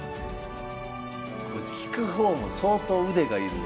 これ聞く方も相当腕が要る。